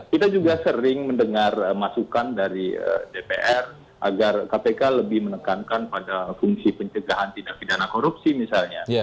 kita juga sering mendengar masukan dari dpr agar kpk lebih menekankan pada fungsi pencegahan tidak pidana korupsi misalnya